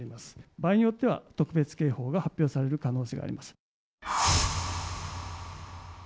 場合によっては、特別警報が発表される可能性があります。